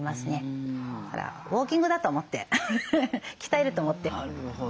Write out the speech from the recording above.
ウォーキングだと思って鍛えると思って。